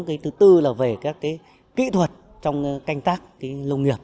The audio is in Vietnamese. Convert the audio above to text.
cái thứ tư là về các cái kỹ thuật trong canh tác lông nghiệp